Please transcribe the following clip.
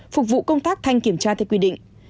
phục vụ công tác thanh kiểm tra theo quy định